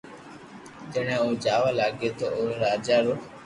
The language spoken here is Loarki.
جني او جاوا لاگي تو اوري راجا رو